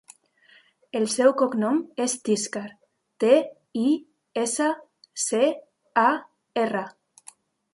El seu cognom és Tiscar: te, i, essa, ce, a, erra.